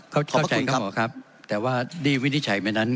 ขอบคุณครับขอบคุณครับแต่ว่าดีวินิจฉัยเมื่อนั้น